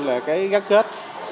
là cái gác kết